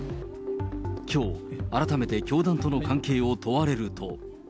きょう、改めて教団との関係を問われると。